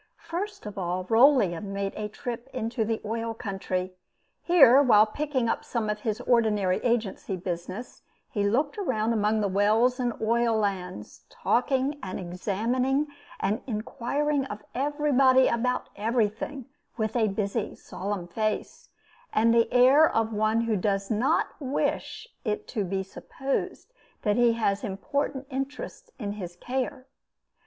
First of all, Rolleum made a trip into the oil country. Here, while picking up some of his ordinary agency business, he looked around among the wells and oil lands, talking, and examining and inquiring of everybody about everything, with a busy, solemn face, and the air of one who does not wish it to be supposed that he has important interests in his care.